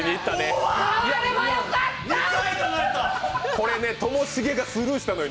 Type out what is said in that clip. これね、ともしげがスルーしたのよ